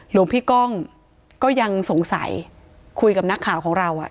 หลวงพี่ก้องก็ยังสงสัยคุยกับนักข่าวของเราอ่ะ